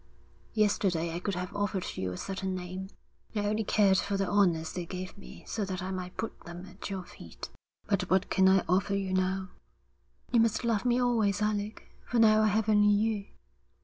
'Yesterday I could have offered you a certain name. I only cared for the honours they gave me so that I might put them at your feet. But what can I offer you now?' 'You must love me always, Alec, for now I have only you.'